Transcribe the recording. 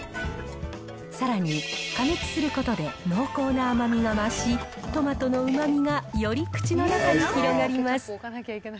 さらに、加熱することで濃厚な甘みが増し、トマトのうまみがより口の中に広がります。